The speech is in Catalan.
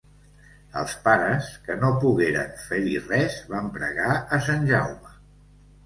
Els pares, que no pogueren fer-hi res, van pregar a Sant Jaume.